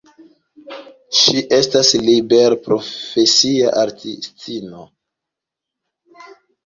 Ŝi estas liberprofesia artistino.